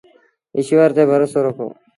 ايٚشور تي ڀروسو رکو۔